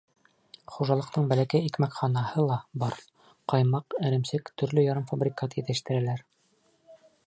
Хужалыҡтың бәләкәй икмәкханаһы ла бар, ҡаймаҡ, эремсек, төрлө ярымфабрикат етештерәләр.